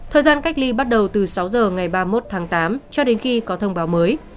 thời gian cách ly bắt đầu từ sáu giờ ngày ba mươi một tháng tám cho đến khi có thông báo mới